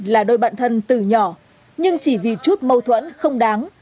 là đôi bạn thân từ nhỏ nhưng chỉ vì chút mâu thuẫn không đáng